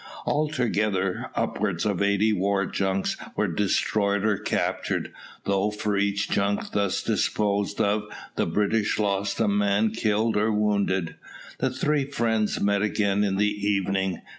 Altogether, upwards of eighty war junks were destroyed or captured, though for each junk thus disposed of the British lost a man killed or wounded. The three friends met again in the evening.